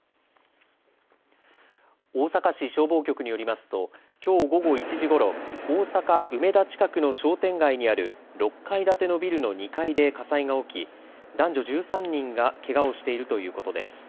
大阪市消防局によりますときょう午後１時ごろ、大阪梅田近くの商店街にある６階建てのビルの２階で火災が起き、男女１３人がけがをしているということです。